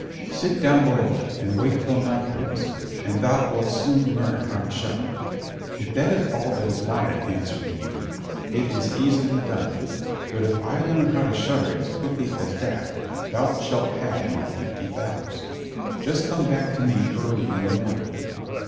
Sit down below it, and wait till night comes, and thou wilt soon learn how to shudder." "If that is all that is wanted," answered the youth, "it is easily done; but if I learn how to shudder as quickly as that, thou shalt have my fifty thalers. Just come back to me early in the morning."